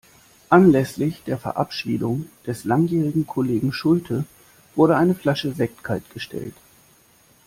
Anlässlich der Verabschiedung des langjährigen Kollegen Schulte wurde eine Flasche Sekt kaltgestellt.